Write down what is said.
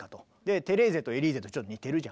「テレーゼ」と「エリーゼ」とちょっと似てるじゃん。